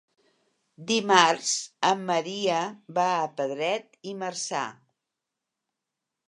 Dimarts en Maria va a Pedret i Marzà.